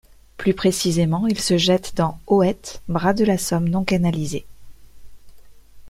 Plus précisément, il se jette dans Eauette bras de la Somme non canalisée.